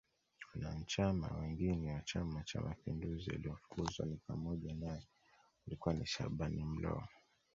Wanachama wengine wa chama cha mapinduzi waliofukuzwa ni pamoja nae walikuwa ni Shaban Mloo